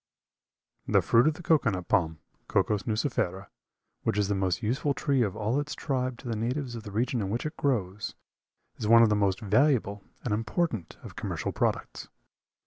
The fruit of the cocoa nut palm, (Cocos nucifera), which is the most useful tree of all its tribe to the natives of the regions in which it grows, is one of the most valuable and important of commercial products.